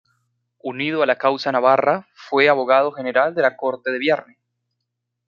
Unido a la causa navarra, fue abogado general en la corte de Bearne.